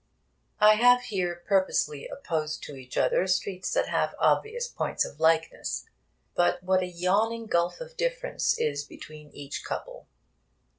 I have here purposely opposed to each other streets that have obvious points of likeness. But what a yawning gulf of difference is between each couple!